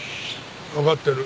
わかってる。